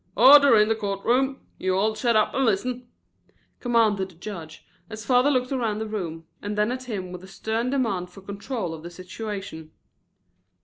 "Order in the court room. You all shet up and listen," commanded the judge, as father looked around the room and then at him with a stern demand for control of the situation.